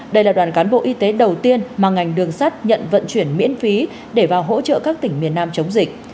đây là đoàn cán bộ y tế đầu tiên mà ngành đường sắt nhận vận chuyển miễn phí để vào hỗ trợ các tỉnh miền nam chống dịch